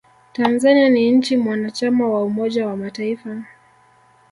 tanzania ni nchi mwanachama wa umoja wa mataifa